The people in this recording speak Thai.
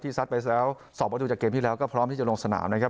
ซัดไปแล้ว๒ประตูจากเกมที่แล้วก็พร้อมที่จะลงสนามนะครับ